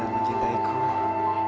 kamu menanggapi mereka